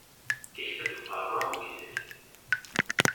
Tikta deg uqerruy am uglaf.